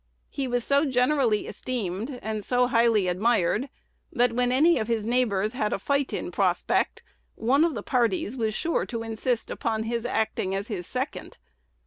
He was so generally esteemed, and so highly admired, that, when any of his neighbors had a fight in prospect, one of the parties was sure to insist upon his acting as his second.